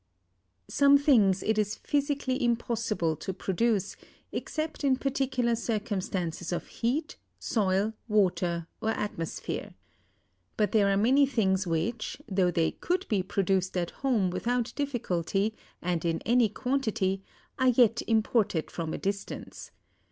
Some things it is physically impossible to produce, except in particular circumstances of heat, soil, water, or atmosphere. But there are many things which, though they could be produced at home without difficulty, and in any quantity, are yet imported from a distance.